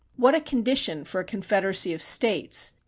What a condition for a confederacy of states!